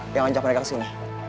tuhan yang ajak mereka kesini